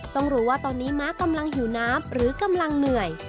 ต้องรู้ว่าตอนนี้ม้ากำลังหิวน้ำหรือกำลังเหนื่อย